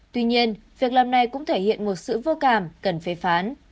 tuy nhiên việc làm này cũng thể hiện một sự vô cảm cần phê phán